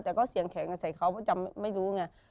แต่ก็เซียงแขงกันใส่เขาเพราะแต่ไม่รู้ไง